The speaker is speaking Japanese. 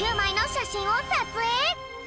しゃしんをさつえい！